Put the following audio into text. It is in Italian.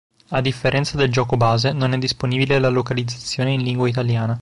A differenza del gioco base, non è disponibile la localizzazione in lingua italiana.